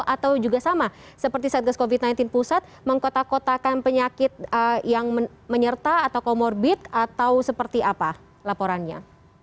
atau juga sama seperti satgas covid sembilan belas pusat mengkotak kotakan penyakit yang menyerta atau comorbid atau seperti apa laporannya